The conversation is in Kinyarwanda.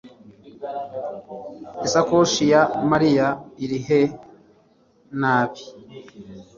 isakoshi ya mariya iri he? nabi